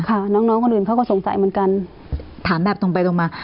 ค่ะน้องน้องคนอื่นเขาก็สงสัยเหมือนกันถามแบบตรงไปตรงมา